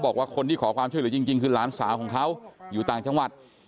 บอกว่าคนที่ขอความช่วยเหลือจริงคือหลานสาวของเขาอยู่ต่างจังหวัด